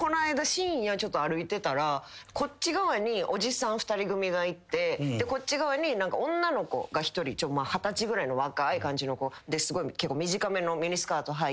深夜歩いてたらこっち側におじさん２人組がいてこっち側に女の子が１人二十歳ぐらいの若い感じの子すごい短めのミニスカートはいてずっと携帯いじってるみたいな。